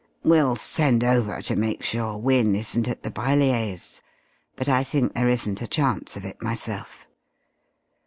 We'll send over to make sure Wynne isn't at the Brellier's but I think there isn't a chance of it myself.